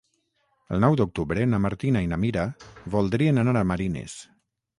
El nou d'octubre na Martina i na Mira voldrien anar a Marines.